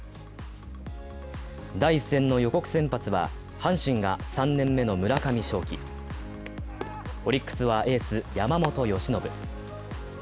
第１戦の予告先発は阪神が３年目の村上頌樹、オリックスはエース・山本由伸。